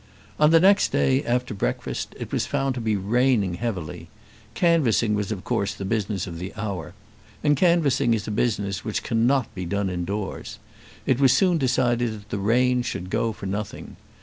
On the next day, after breakfast, it was found to be raining heavily. Canvassing was of course the business of the hour, and canvassing is a business which cannot be done indoors. It was soon decided that the rain should go for nothing.